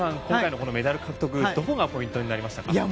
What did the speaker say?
今回のメダル獲得はどこがポイントになりましたか？